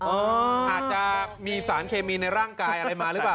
อาจจะมีสารเคมีในร่างกายอะไรมาหรือเปล่า